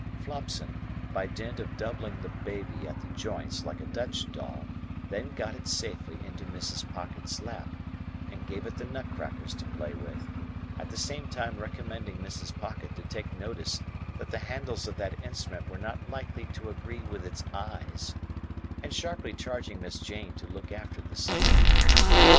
Flopson, by dint of doubling the baby at the joints like a Dutch doll, then got it safely into Mrs. Pocket's lap, and gave it the nut crackers to play with; at the same time recommending Mrs. Pocket to take notice that the handles of that instrument were not likely to agree with its eyes, and sharply charging Miss Jane to look after the same.